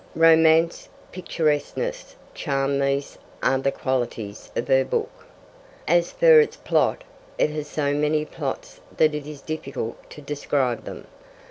Romance, picturesqueness, charm these are the qualities of her book. As for its plot, it has so many plots that it is difficult to describe them.